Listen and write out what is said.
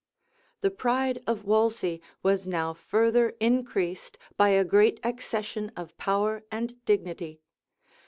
The pride of Wolsey was now further increased by a great accession of power and dignity.